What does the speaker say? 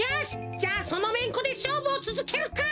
じゃあそのめんこでしょうぶをつづけるか！